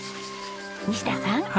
西田さん